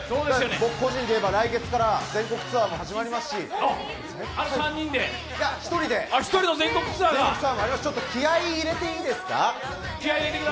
僕個人で言えば来月から全国ツアーも始まりますし、１人で全国ツアーがありまして、気合い入れていいですか。